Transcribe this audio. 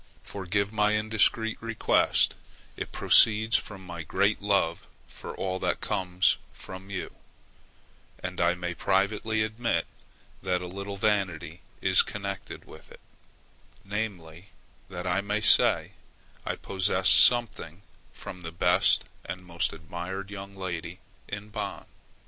Forgive my indiscreet request; it proceeds from my great love for all that comes from you; and I may privately admit that a little vanity is connected with it, namely, that I may say I possess something from the best and most admired young lady in Bonn.